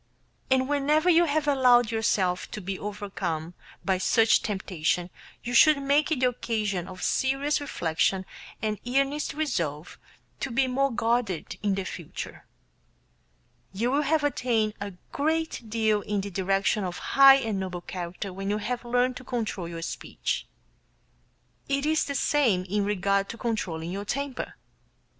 And whenever you have allowed yourself to be overcome by such temptation you should make it the occasion of serious reflection and earnest resolve to be more guarded in future. You will have attained a great deal in the direction of high and noble character when you have learned to control your speech. It is the same in regard to controlling your temper.